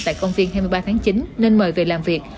tại công viên hai mươi ba tháng chín nên mời về làm việc